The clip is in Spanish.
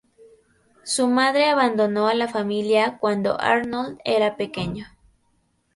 Su madre abandonó a la familia cuando Arnold era pequeño.